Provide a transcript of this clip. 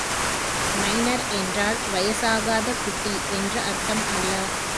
Minor என்றால், வயசாகாத குட்டி என்று அர்த்தம் அல்ல.